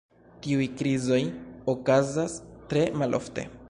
Tiuj krizoj okazas tre malofte.